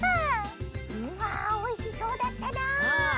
うわおいしそうだったな。